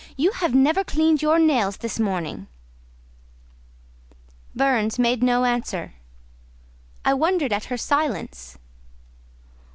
you have never cleaned your nails this morning!" Burns made no answer: I wondered at her silence.